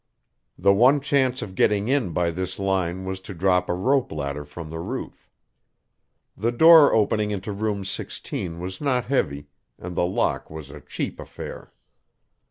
The one chance of getting in by this line was to drop a rope ladder from the roof. The door opening into Room 16 was not heavy, and the lock was a cheap affair.